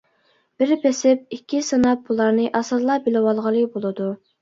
بىر بېسىپ ئىككى سىناپ بۇلارنى ئاسانلا بىلىۋالغىلى بولىدۇ.